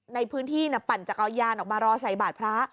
ในพื้นที่ปั่นจักรยานออกมารอใส่บาทพระ